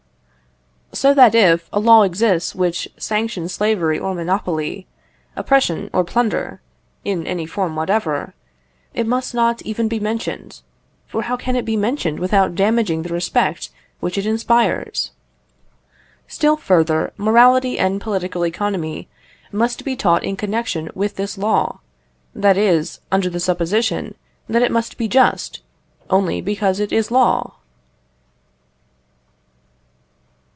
" So that if a law exists which sanctions slavery or monopoly, oppression or plunder, in any form whatever, it must not even be mentioned for how can it be mentioned without damaging the respect which it inspires? Still further, morality and political economy must be taught in connexion with this law that is, under the supposition that it must be just, only because it is law.